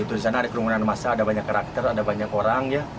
di sana ada kerumunan massa ada banyak karakter ada banyak orang ya